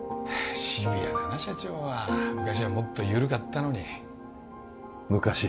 あシビアだな社長は昔はもっと緩かったのに昔？